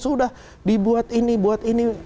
sudah dibuat ini buat ini